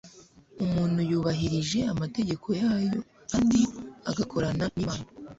umuntu yubahirije amategeko yayo kandi agakorana n'imana